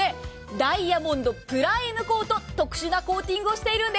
ダイヤモンドプライムコート、特殊なコーティングをしているんです。